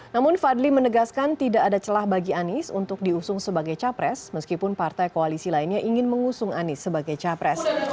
namun fadli menegaskan tidak ada celah bagi anies untuk diusung sebagai capres meskipun partai koalisi lainnya ingin mengusung anies sebagai capres